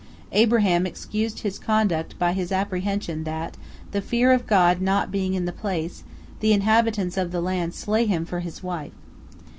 Abraham excused his conduct by his apprehension that, the fear of God not being in the place, the inhabitants of the land slay him for his wife.